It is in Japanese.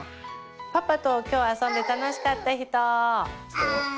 パパと今日遊んで楽しかった人！